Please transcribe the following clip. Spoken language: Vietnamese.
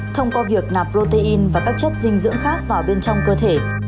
thông qua việc nạp protein và các chất dinh dưỡng khác vào bên trong cơ thể